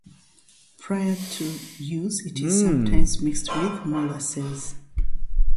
Prior to use, it is sometimes mixed with molasses.